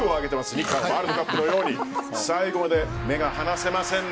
日韓ワールドカップのように最後まで目が離せませんね。